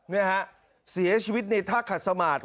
นี่ฮะเสียชีวิตในท่าขัดสมาธิ